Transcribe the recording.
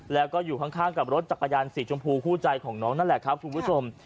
และก็อยู่ข้างกับรถจักรยานสีชมพูคู่ใจของน้าแหละคุณผู้ชม